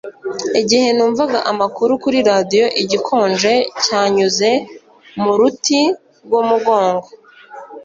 Igihe numvaga amakuru kuri radiyo, igikonje cyanyuze mu ruti rw'umugongo.